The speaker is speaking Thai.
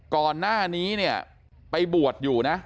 ก่อนหน้านี้เนี่ยไปบวชอยู่นะ